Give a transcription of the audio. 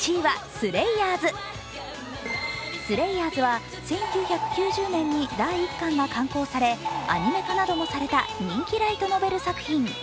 「スレイヤーズ」は１９９０年に第１巻が刊行され、アニメ化などもされた人気ライトノベル作品。